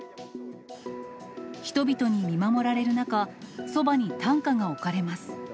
人々に見守られる中、そばに担架が置かれます。